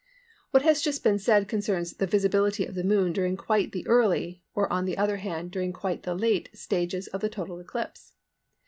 What has just been said concerns the visibility of the Moon during quite the early, or on the other hand during quite the late, stages of a total eclipse.